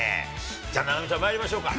じゃあ菜波ちゃん、まいりましょうか。